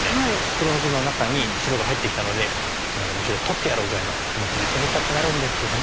黒の地の中に白が入ってきたので「こんなのむしろ取ってやろう」ぐらいの気持ちで攻めたくなるんですけども。